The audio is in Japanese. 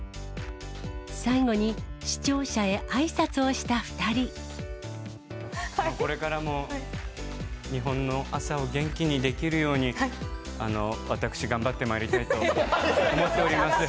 最後に、視聴者へあいさつをこれからも日本の朝を元気にできるように、私、頑張ってまいりたいと思っております。